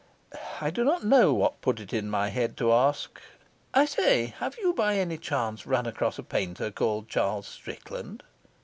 I do not know what put it into my head to ask: "I say, have you by any chance run across a painter called Charles Strickland?"